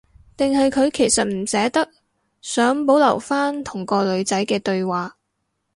定係佢其實唔捨得，想保留返同個女仔嘅對話